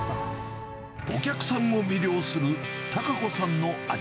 お客さんを魅了する、多賀子さんの味。